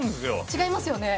違いますよね